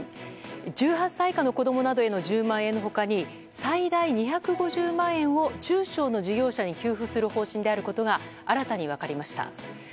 １８歳以下の子供などへの１０万円の他に最大２５０万円を中小の事業者に給付する方針であることが新たに分かりました。